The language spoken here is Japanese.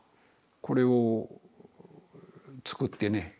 これを作ってね